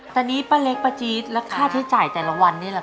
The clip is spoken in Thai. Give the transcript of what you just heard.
ตอนนี้ป้าเล็กป้าจี๊ดและค่าใช้จ่ายแต่ละวันนี้แหละค